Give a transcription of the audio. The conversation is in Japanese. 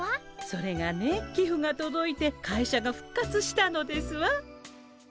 それがねきふがとどいて会社が復活したのですわ。